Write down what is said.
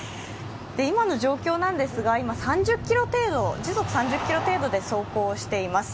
今の状況ですが、時速３０キロ程度で走行しています。